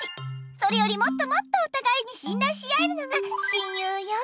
それよりもっともっとおたがいにしんらいし合えるのが親友よ。